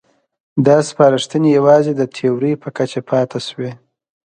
دا سپارښتنې یوازې د تیورۍ په کچه پاتې شوې.